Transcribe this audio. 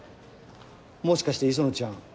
もしかして磯野ちゃん